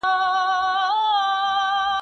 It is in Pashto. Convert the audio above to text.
په پوښتنه لندن پيدا کېږي.